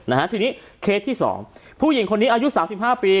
นะฮะทีนี้เคสที่สองผู้หญิงคนนี้อายุสามสิบห้าปี